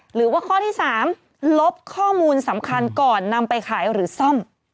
หรือว่าข้อที่๓ลบข้อมูลสำคัญก่อนนำไปขายหรือซ่อม